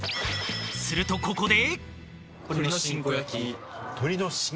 するとここで。